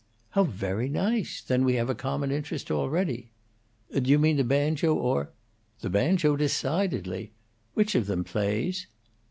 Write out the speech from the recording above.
"How very nice! Then we have a common interest already." "Do you mean the banjo, or " "The banjo, decidedly. Which of them plays?"